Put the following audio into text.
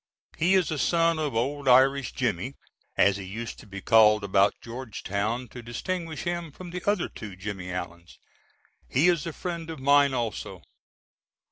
He is a son of old Irish Jimmy, as he used to be called about Georgetown to distinguish him from the other two Jimmy Allens. He is a friend of mine also.